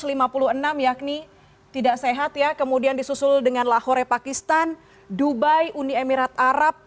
lima puluh enam yakni tidak sehat ya kemudian disusul dengan lahore pakistan dubai uni emirat arab